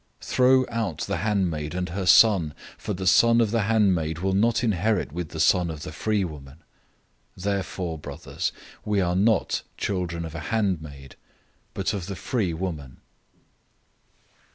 "Throw out the handmaid and her son, for the son of the handmaid will not inherit with the son of the free woman."{Genesis 21:10} 004:031 So then, brothers, we are not children of a handmaid, but of the free woman.